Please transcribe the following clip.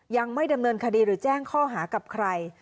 ยังไม่ดำเนินคดีหรือแจ้งข้อหากับใคร